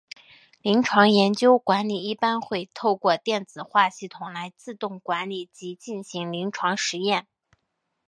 临床研究管理一般会透过电子化系统来自动管理及进行临床试验。